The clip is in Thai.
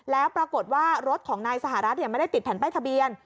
แล้วปรากฏว่ารถของนายสหรัฐไม่ได้ติดแผ่นป้ายทะเบียน